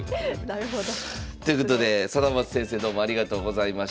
なるほど。ということで貞升先生どうもありがとうございました。